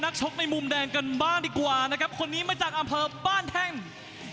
รุ่นน้องในมุมแดงคดชศาลสบุญจันทร์วัย๑๙ปีจากบ้านแท่นชายภูมิทิรพพงศ์ทองดี